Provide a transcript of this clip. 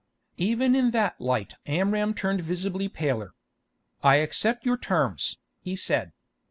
Even in that light Amram turned visibly paler. "I accept your terms," he said.